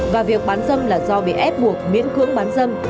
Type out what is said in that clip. và việc bán dâm là do bị ép buộc miễn cưỡng bán dâm